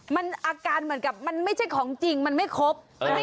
มันอาการเหมือนกับมันไม่ใช่ของจริงมันไม่ครบ